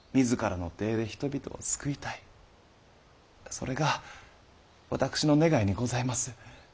それが私の願いにございます。